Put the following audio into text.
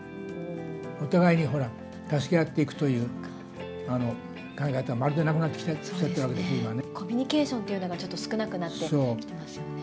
お互いにほら、助け合っていくという考え方が、まるでなくなってきちゃってるかコミュニケーションというのがちょっと少なくなってきてますよね。